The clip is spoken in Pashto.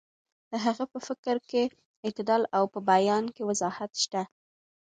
د هغه په فکر کې اعتدال او په بیان کې وضاحت شته.